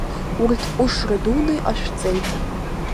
Уи ҟәышра дуны иҟашәҵеит!